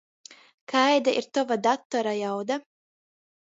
Kaida ir tova datora jauda?